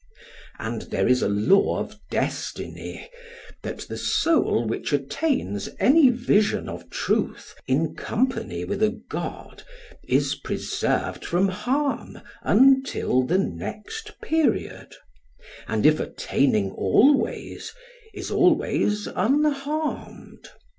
And there is a law of Destiny, that the soul which attains any vision of truth in company with a god is preserved from harm until the next period, and if attaining always is always unharmed.